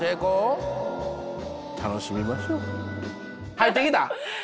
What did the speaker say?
入ってきた？